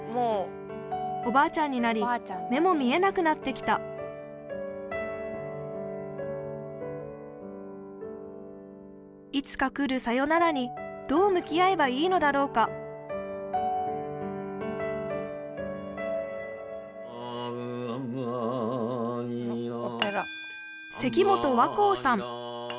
おばあちゃんになり目も見えなくなってきたいつか来るさよならにどう向き合えばいいのだろうか何だそれ。